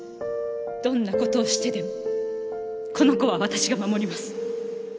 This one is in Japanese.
どんな事をしてでもこの子は私が守ります。